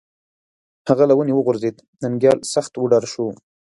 هغه له ونې وغورځېد، ننگيال سخت وډار شو